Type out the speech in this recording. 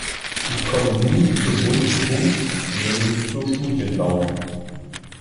Ich komme nun zum wunden Punkt, nämlich zur Studiendauer.